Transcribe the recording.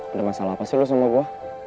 ada masalah apa sih lo sama gue